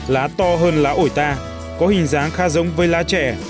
lá to hơn lá ổi ta có hình dáng khác giống với lá trẻ